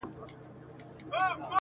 زموږ د پلار او دنیکه په مقبره کي,